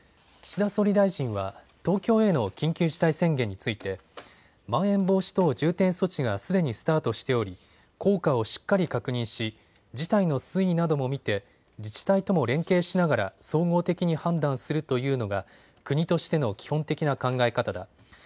岸田総理大臣は東京への緊急事態宣言についてまん延防止等重点措置がすでにスタートしており効果をしっかり確認し事態の推移なども見て自治体とも連携しながら総合的に判断するというのが国としての基本的な考え方だ。